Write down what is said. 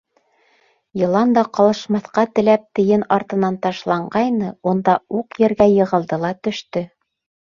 Йылан да, ҡалышмаҫҡа теләп, тейен артынан ташланғайны, шунда уҡ ергә йығылды ла төштө.